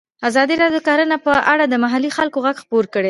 ازادي راډیو د کرهنه په اړه د محلي خلکو غږ خپور کړی.